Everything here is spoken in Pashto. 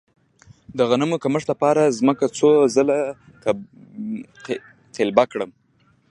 د غنمو د کښت لپاره ځمکه څو ځله قلبه کړم؟